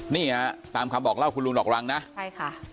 นี่ฮะตามคำบอกเล่าคุณลุงดอกรังนะใช่ค่ะ